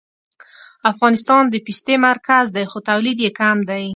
افغانستان د پستې مرکز دی خو تولید یې کم دی